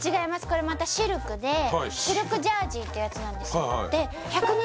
これまたシルクでシルクジャージーってやつなんですよ